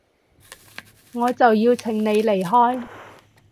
我就要請你離開